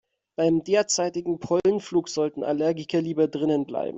Beim derzeitigen Pollenflug sollten Allergiker lieber drinnen bleiben.